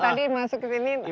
tadi masuk ke sini naik ojek tadi